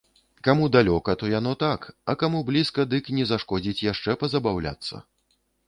Каму далёка, то яно так, а каму блізка, дык не шкодзіць яшчэ пазабаўляцца.